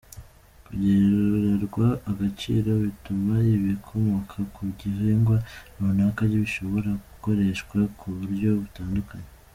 Kongererwa agaciro bituma ibikomoka ku gihingwa runaka bishobora gukoreshwa ku buryo butandukanye.